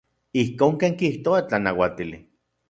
Ijkon ken kijtoa tlanauatili.